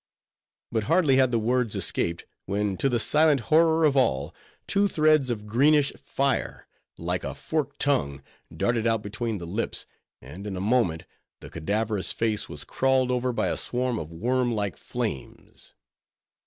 But hardly had the words escaped, when, to the silent horror of all, two threads of greenish fire, like a forked tongue, darted out between the lips; and in a moment, the cadaverous face was crawled over by a swarm of wormlike flames.